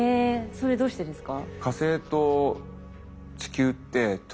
それどうしてですか？